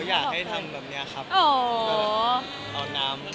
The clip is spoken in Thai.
อยากให้ทำแบบนี้ครับ